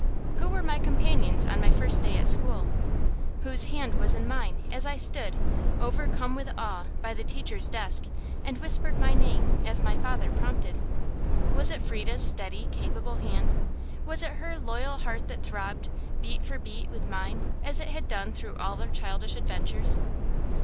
Who were my companions on my first day at school? Whose hand was in mine, as I stood, overcome with awe, by the teacher's desk, and whispered my name as my father prompted? Was it Frieda's steady, capable hand? Was it her loyal heart that throbbed, beat for beat with mine, as it had done through all our childish adventures?